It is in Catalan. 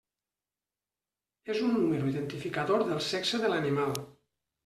És un número identificador del sexe de l'animal.